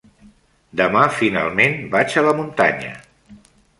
Demà finalment vaig a la muntanya.